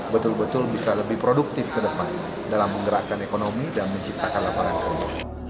betul betul bisa lebih produktif ke depan dalam menggerakkan ekonomi dan menciptakan lapangan kerja